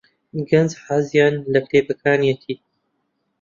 گەنجان حەزیان لە کتێبەکانیەتی.